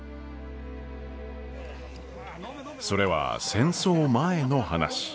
それは戦争前の話。